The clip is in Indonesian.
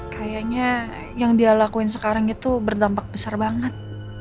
kayaknya yang dia lakuin sekarang itu berdampak besar banget